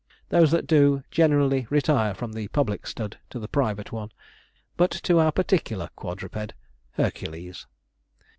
Those that do, generally retire from the public stud to the private one. But to our particular quadruped, 'Hercules.'